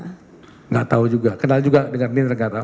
tidak tahu juga kenal juga dengan mirna tidak tahu